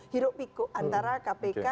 hirup pikup antara kpk